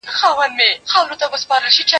زه به څنگه ستا ښکارونو ته زړه ښه کړم